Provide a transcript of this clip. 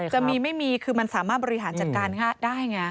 จะมีไม่มีคือมันสามารถบริหารจัดการได้ไง